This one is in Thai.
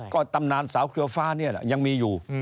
ก็ตำนานสาวเครือฟ้านี่แหละยังมีอยู่